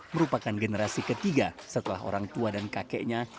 merupakan generasi ketiga setelah orang tua dan kakeknya